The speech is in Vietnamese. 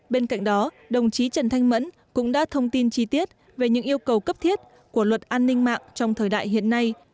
bên cạnh đó đồng chí trần thanh mẫn cũng đã thông tin chi tiết về những yêu cầu cấp thiết của luật an ninh mạng trong thời đại hiện nay